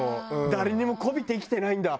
誰にもこびて生きてないんだ。